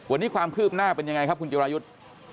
วันนี้ความคืบหน้าเป็นยังไงครับคุณจิรายุทธ์